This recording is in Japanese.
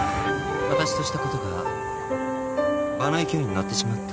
私としたことが場の勢いに乗ってしまった。